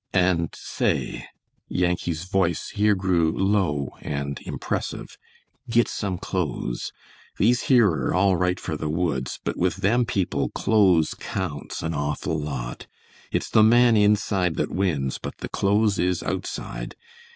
And say," Yankee's voice here grew low and impressive, "git some close. These here are all right for the woods, but with them people close counts an awful lot. It's the man inside that wins, but the close is outside.